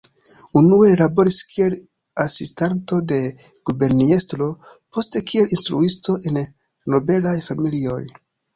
Unue li laboris kiel asistanto de guberniestro, poste kiel instruisto en nobelaj familioj.